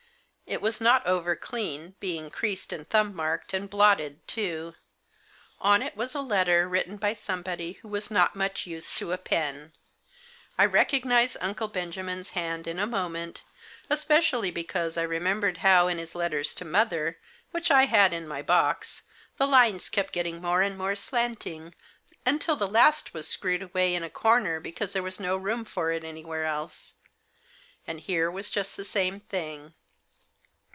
It was not over clean, being creased, and thumb marked, and blotted too. On it was a letter, written by somebody who was not much used to a pen. I recognised Uncle Benjamin's hand in a moment, especially be cause I remembered how, in his letters to mother, Digitized by THE JOSS. which I had in my box, the lines kept getting more and more slanting, until the last was screwed away in a corner, because there was no room for it anywhere else. And here was just the same thing.